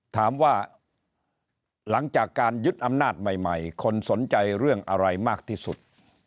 ถามว่าหลังจากการยึดอำนาจใหม่คนสนใจเรื่องอะไรมากที่สุด